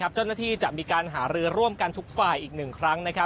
เจ้าหน้าที่จะมีการหารือร่วมกันทุกฝ่ายอีก๑ครั้ง